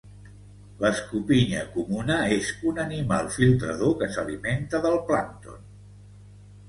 L'escopinya comuna és un animal filtrador que s'alimenta del plàncton.